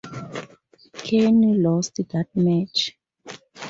Kane lost that match.